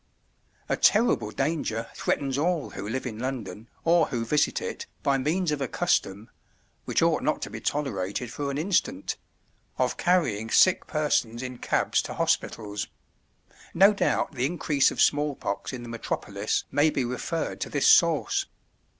A terrible danger threatens all who live in London, or who visit it, by means of a custom—which ought not to be tolerated for an instant—of carrying sick persons in cabs to hospitals. No doubt the increase of smallpox in the metropolis may be referred to this source.